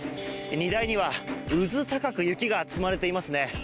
荷台には、うず高く雪が積まれていますね。